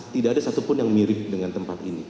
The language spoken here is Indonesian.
tidak ada satupun yang mirip dengan tempat ini